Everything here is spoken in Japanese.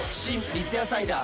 三ツ矢サイダー』